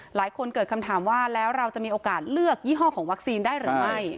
หลายคนเกิดคำถามว่าแล้วเราจะมีโอกาสเลือกยี่ห้อของวัคซีนได้หรือไม่